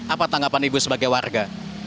apa tanggapan ibu sebagai warga